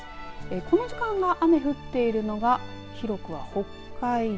この時間、雨が降っているのが広くは北海道。